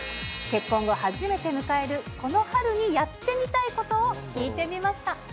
結婚後初めて迎える、この春にやってみたいことを聞いてみました。